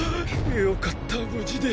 よかった無事で！！